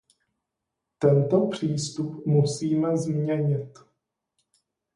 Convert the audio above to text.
Tento přístup musíme změnit.